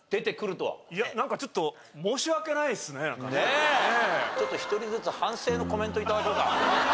なんかちょっとちょっと一人ずつ反省のコメント頂こうか。